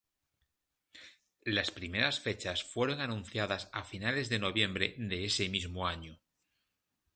Las primeras fechas fueron anunciadas a fines de noviembre de ese mismo año.